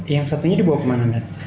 yang satunya dibawa ke mana mbak